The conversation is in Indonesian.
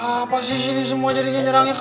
apa sih ini semua jadinya nyerangnya ke abah